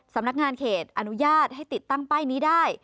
สำนักงานเขตอนุญาตให้ติดตั้งป้ายนี้ได้